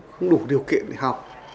không đủ điều kiện để học